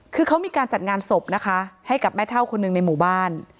คือเขามีการจัดงานศพนะคะให้กับแม่เท่าคนหนึ่งในหมู่บ้าน